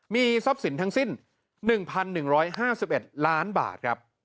มีทรัพย์สินทั้งสิ้น๑๑๕๑ล้านบาทครับ